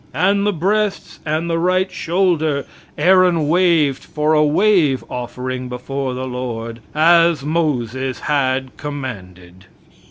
And the breasts and the right shoulder Aaron waved for a wave offering before the Lord, as Moses had commanded."